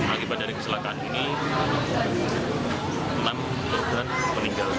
akibat dari keselakaan ini enam orang meninggal